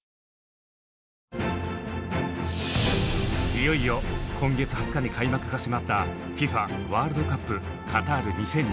いよいよ今月２０日に開幕が迫ったＦＩＦＡワールドカップカタール２０２２。